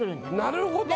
なるほど。